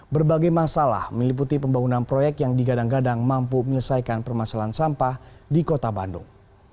berbagai masalah meliputi pembangunan proyek yang digadang gadang mampu menyelesaikan permasalahan sampah di kota bandung